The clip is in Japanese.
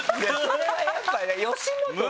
それはやっぱ。